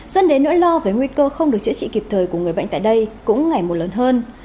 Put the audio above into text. dẫn đến nỗi lo về nguy cơ không được chữa trị kịp thời của người bệnh tại đây cũng ngày một lớn hơn